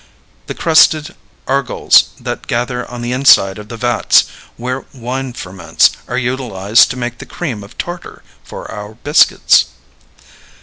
The crusted argols that gather on the inside of the vats where wine ferments are utilized to make the cream of tartar for our biscuits.